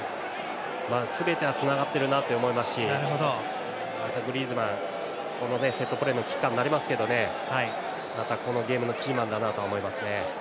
すべてはつながっていると思いますしグリーズマン、セットプレーのキッカーになりますがこのゲームのキーマンだと思います。